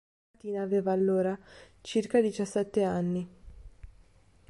Martina aveva allora circa diciassette anni.